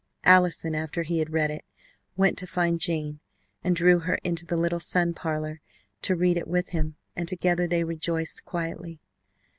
Allison, after he had read it, went to find Jane and drew her into the little sun parlor to read it with him, and together they rejoiced quietly.